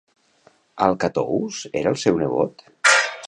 Alcatous era el seu nebot?